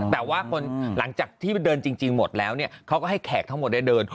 แต่ว่าคนหลังจากที่เดินจริงหมดแล้วเนี่ยเขาก็ให้แขกทั้งหมดได้เดิน